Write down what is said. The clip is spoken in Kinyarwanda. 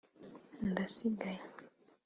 Ndasigaye